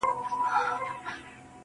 چا مي د زړه كور چـا دروازه كي راتـه وژړل.